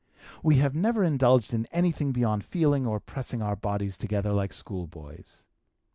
We have never indulged in anything beyond feeling or pressing our bodies together like schoolboys.